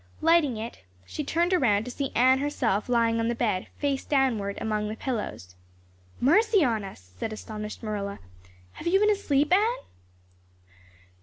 Lighting it, she turned around to see Anne herself lying on the bed, face downward among the pillows. "Mercy on us," said astonished Marilla, "have you been asleep, Anne?"